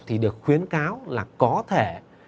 thì được khuyến cáo là có thể